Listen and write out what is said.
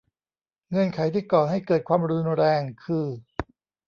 เงื่อนไขที่ก่อให้เกิดความรุนแรง คือ